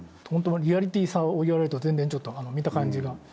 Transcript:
ホントのリアリティーさを言われると全然ちょっと見た感じが。